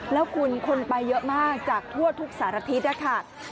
แล้วคุณคนไปเยอะมากจากทั่วทุกสารทิศนะคะ